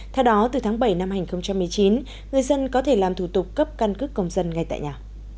theo đó từ tháng bảy năm hai nghìn một mươi chín người dân có thể làm thủ tục cấp căn cước công dân ngay tại nhà